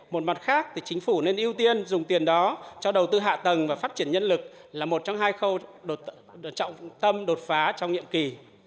một mặt khác thì chính phủ nên ưu tiên dùng tiền đó cho đầu tư hạ tầng và phát triển nhân lực là một trong hai khâu đột phá trong nhiệm kỳ